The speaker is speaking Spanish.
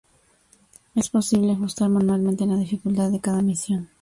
Es posible ajustar manualmente la dificultad de cada misión.